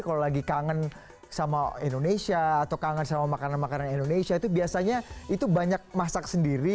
kalau lagi kangen sama indonesia atau kangen sama makanan makanan indonesia itu biasanya itu banyak masak sendiri